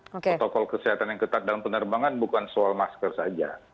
protokol kesehatan yang ketat dalam penerbangan bukan soal masker saja